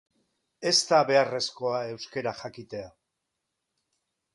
Ez da beharrezkoa euskera jakitea.